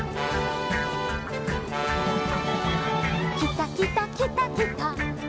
「きたきたきたきた」